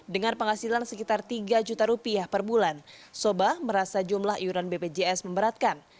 dengan penghasilan sekitar rp tiga juta per bulan soba merasa jumlah iuran bpjs memberatkan